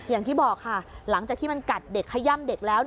อย่างที่บอกค่ะหลังจากที่มันกัดเด็กขย่ำเด็กแล้ว